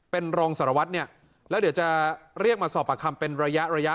เป็นรองสารวัตรเนี่ยแล้วเดี๋ยวจะเรียกมาสอบปากคำเป็นระยะระยะ